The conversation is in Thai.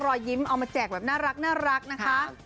รอยยิ้มเอามาแจกแบบน่ารักนะคะ